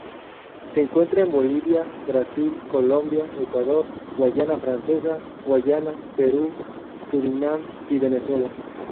Se encuentra en Bolivia, Brasil, Colombia, Ecuador, Guyana Francesa, Guyana, Perú, Surinam y Venezuela.